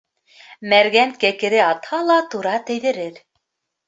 Мәргән кәкере атһа ла тура тейҙерер.